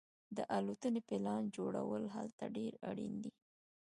د الوتنې پلان جوړول هلته ډیر اړین دي